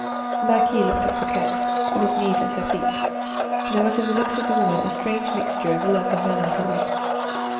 The marquise looked at Fouquet, on his knees at her feet, and there was in the looks of the woman a strange mixture of love and melancholy.